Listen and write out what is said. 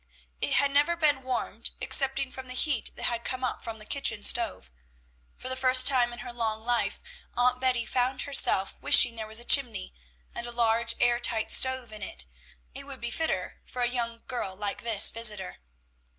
It had never been warmed excepting from the heat that had come up from the kitchen stove. For the first time in her long life, Aunt Betty found herself wishing there was a chimney and a large air tight stove in it; it would be fitter for a young girl like this visitor.